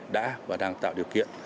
đã và đang tạo điều kiện